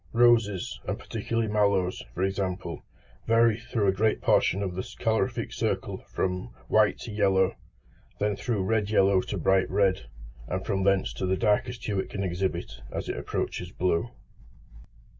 Roses, and particularly mallows, for example, vary through a great portion of the colorific circle from white to yellow, then through red yellow to bright red, and from thence to the darkest hue it can exhibit as it approaches blue.